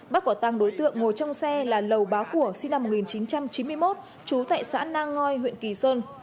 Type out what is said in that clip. bắt quả tăng đối tượng ngồi trong xe là lầu bá của sinh năm một nghìn chín trăm chín mươi một trú tại xã nang ngoi huyện kỳ sơn